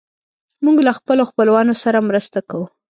موږ له خپلو خپلوانو سره مرسته کوو.